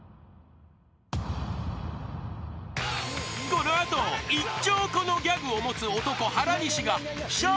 ［この後１兆個のギャグを持つ男原西が笑